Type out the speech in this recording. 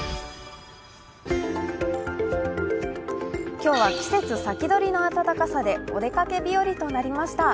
今日は季節先取りの暖かさでお出かけ日和となりました。